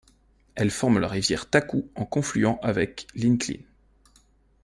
Elle forme la Rivière Taku en confluant avec l'Inklin.